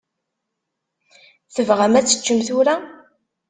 Tebɣam ad teččem tura?